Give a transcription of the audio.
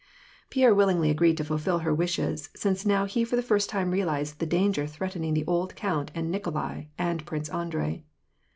Pierre willingly agreed to fulfil her wishes, since now he for the first time realized the danger threatening the old count and Nikolai and Prince Andrei.